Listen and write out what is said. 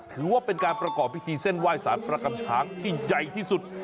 ถือว่าเป็นการประกอบพิธีเส้นไหว้สารประกำช้างที่ใหญ่ที่สุด